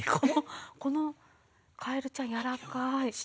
このカエルちゃん、やわらかい。